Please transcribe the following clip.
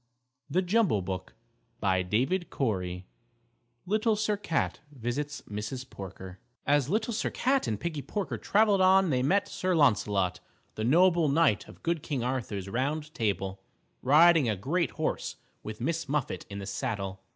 BY NAT. ART CO., N. Y.] LITTLE SIR CAT Little Sir Cat Visits Mrs. Porker As Little Sir Cat and Piggie Porker traveled on they met Sir Launcelot, the noble Knight of good King Arthur's round table, riding a great horse with Miss Muffet in the saddle.